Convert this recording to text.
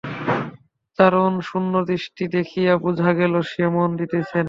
চারুর শূন্যদৃষ্টি দেখিয়া বোঝা গেল, সে মন দিতেছে না।